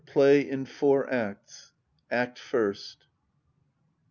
PLAY IN FOUR ACTS. ACT FIRST.